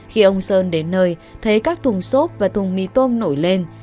khi ông sơn đến nơi thấy các thùng xốp và thùng mì tôm nổi lên